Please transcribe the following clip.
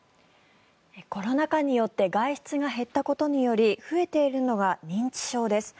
コロナ禍によって外出が減ったことにより増えているのが認知症です。